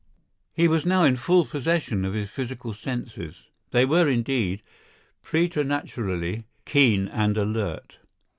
He was now in full possession of his physical senses. They were, indeed, preternaturally keen and alert.